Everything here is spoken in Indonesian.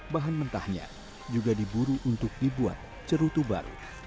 bahan mentahnya juga diburu untuk dibuat cerutu baru